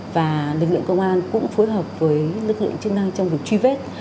và lực lượng công an cũng phối hợp với lực lượng chức năng trong việc truy vết